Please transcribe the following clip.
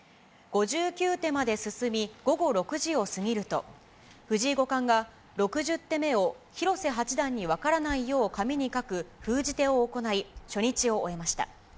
５９手まで進み、午後６時を過ぎると、藤井五冠が６０手目を広瀬八段に分からないように紙に書く封じ手を行い、初日を終えました。